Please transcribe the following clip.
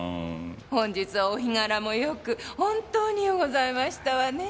本日はお日柄もよく本当にようございましたわねえ。